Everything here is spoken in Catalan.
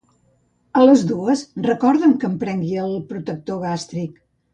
A les dues recorda'm que em prengui el protector gàstric.